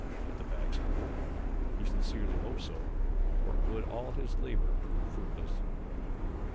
Would the bags hold? He sincerely hoped so. Or would all his labor prove fruitless?